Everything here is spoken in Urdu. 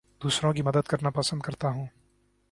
دوسروں کی مدد کرنا پسند کرتا ہوں